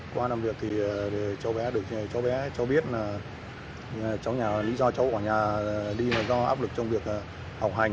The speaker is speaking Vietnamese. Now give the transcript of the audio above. qua làm việc cháu bé được cho biết lý do cháu bỏ nhà đi là do áp lực trong việc học hành